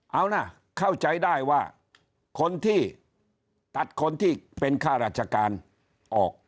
เอานะเข้าใจได้ว่าคนที่ตัดคนที่เป็นข้าราชการออก